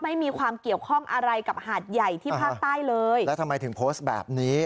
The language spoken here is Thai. ไม่มีความเกี่ยวข้องอะไรกับหาดใหญ่ที่ภาคใต้เลยแล้วทำไมถึงโพสต์แบบนี้